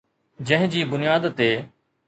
جنهن جي بنياد تي